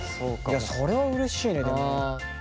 それはうれしいねでも。